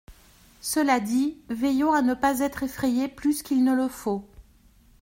Cela dit, veillons à ne pas être effrayés plus qu’il ne le faut.